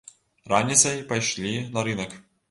Раніцай пайшлі на рынак.